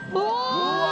うわ！